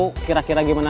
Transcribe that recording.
nyuruh dia masuk